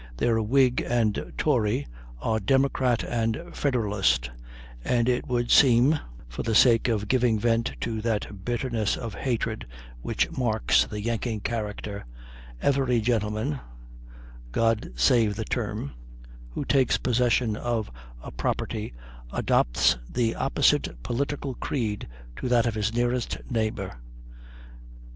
Their whig and tory are democrat and federalist, and it would seem for the sake of giving vent to that bitterness of hatred which marks the Yankee character, every gentleman (God save the term) who takes possession of a property adopts the opposite political creed to that of his nearest neighbor."